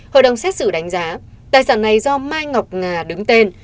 hội đồng xét xử đánh giá tài sản này do mai ngọc nga đứng tên